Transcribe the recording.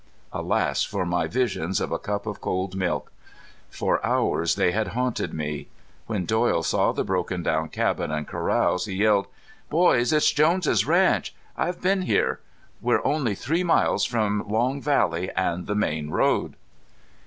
Alas for my visions of a cup of cold milk. For hours they had haunted me. When Doyle saw the broken down cabins and corrals he yelled: "Boys, it's Jones' Ranch. I've been here. We're only three miles from Long Valley and the main road!"